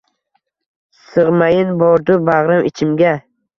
Sig‘mayin bordur bag‘rim, ichimga…